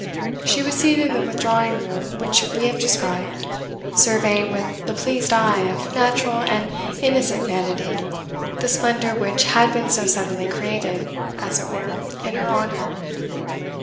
She was seated in the withdrawing room which we have described, surveying with the pleased eye of natural and innocent vanity the splendour which had been so suddenly created, as it were, in her honour.